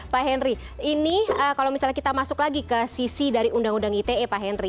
pak henry ini kalau misalnya kita masuk lagi ke sisi dari undang undang ite pak henry